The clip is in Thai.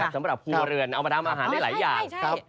สำหรับครัวเรือนเอามาทำอาหารได้หลายอย่างครับ